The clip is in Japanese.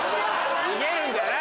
逃げるんじゃない！